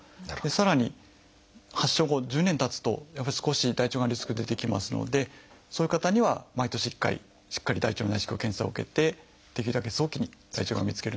さらに発症後１０年たつとやっぱり少し大腸がんのリスク出てきますのでそういう方には毎年１回しっかり大腸内視鏡検査を受けてできるだけ早期に大腸がんを見つけるのが大事といわれています。